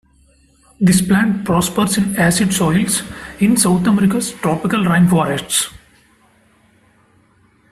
This plant prospers in acid soils in South America's tropical rainforests.